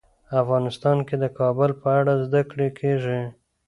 افغانستان کې د کابل په اړه زده کړه کېږي.